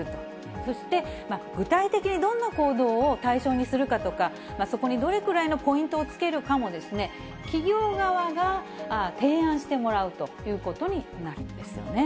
そして、具体的にどんな行動を対象にするかとか、そこにどれくらいのポイントをつけるかも、企業側が提案してもらうということになりますよね。